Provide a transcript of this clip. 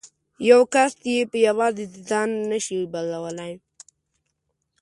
یو کس یې په یوازې ځان نه شي بدلولای.